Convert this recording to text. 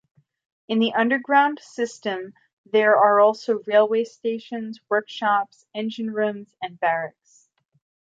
In the underground system there are also railway stations, workshops, engine rooms and barracks.